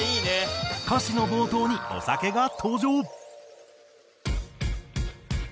歌詞の冒頭にお酒が登場！